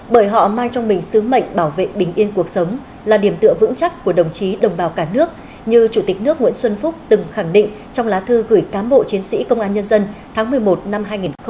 bởi họ mang trong mình sứ mệnh bảo vệ bình yên cuộc sống là điểm tựa vững chắc của đồng chí đồng bào cả nước như chủ tịch nước nguyễn xuân phúc từng khẳng định trong lá thư gửi cám bộ chiến sĩ công an nhân dân tháng một mươi một năm hai nghìn hai mươi